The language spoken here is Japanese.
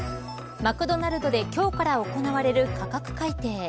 マクドナルドで今日から行われる価格改定。